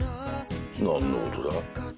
何のことだ？